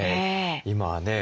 今はね